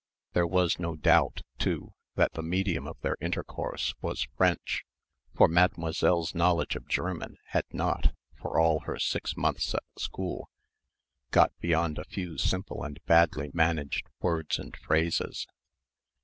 There was no doubt, too, that the medium of their intercourse was French, for Mademoiselle's knowledge of German had not, for all her six months at the school, got beyond a few simple and badly managed words and phrases.